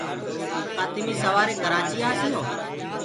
ڪآ تميٚ سواري ڪرآچيٚ آسيو۔